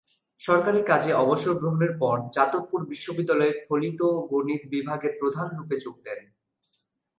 সরকারী কাজে অবসর গ্রহণের পর যাদবপুর বিশ্ববিদ্যালয়ের ফলিত গণিত বিভাগের প্রধান রূপে যোগ দেন।